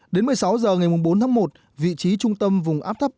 đến một mươi sáu h ngày bốn tháng một vị trí trung tâm vùng áp thấp